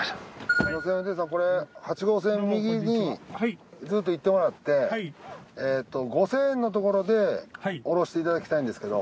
すみません運転手さんこれ８号線右にずっと行ってもらってえと５，０００円のところで降ろしていただきたいんですけど。